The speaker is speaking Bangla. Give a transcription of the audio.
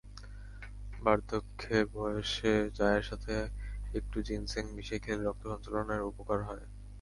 বার্ধক্যে বয়সে, চায়ের সাথে একটু জিনসেং মিশিয়ে খেলে রক্ত সঞ্চালনের উপকার হয়।